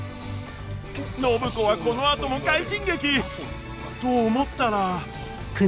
暢子はこのあとも快進撃！と思ったら。